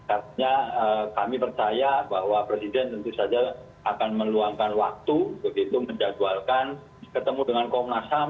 artinya kami percaya bahwa presiden tentu saja akan meluangkan waktu begitu menjadwalkan ketemu dengan komnas ham